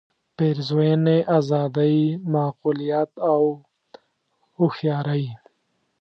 پېرزوینې آزادۍ معقولیت او هوښیارۍ.